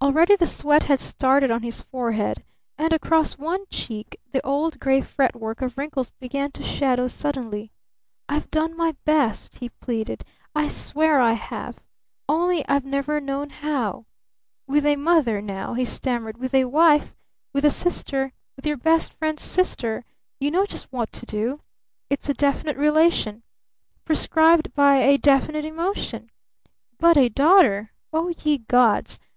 Already the sweat had started on his forehead, and across one cheek the old gray fretwork of wrinkles began to shadow suddenly. "I've done my best!" he pleaded. "I swear I have! Only I've never known how! With a mother, now," he stammered, "with a wife, with a sister, with your best friend's sister, you know just what to do! It's a definite relation! Prescribed by a definite emotion! But a daughter? Oh, ye gods!